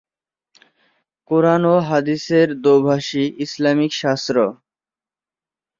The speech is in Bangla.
কুরআন ও হাদীস এর দোভাষী, ইসলামিক শাস্ত্র।